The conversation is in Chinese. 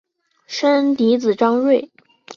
生嫡子张锐。